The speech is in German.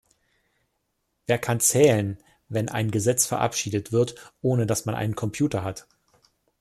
Wer kann zählen, wenn ein Gesetz verabschiedet wird, ohne dass man einen Computer hat?